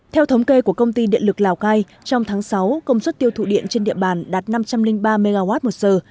theo thống kê của công ty điện lực lào cai trong tháng sáu công suất tiêu thụ điện trên địa bàn đạt năm trăm linh ba mw một giờ